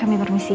kami permisi ya